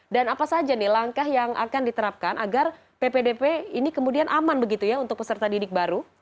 dan apa saja langkah yang akan diterapkan agar ppdb ini kemudian aman untuk peserta didik baru